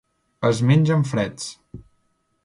Es mengen freds.